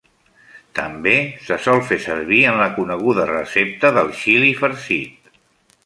També se sol fer servir en la coneguda recepta del xili farcit.